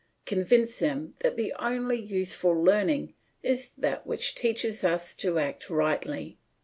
Convince them that the only useful learning is that which teaches us to act rightly.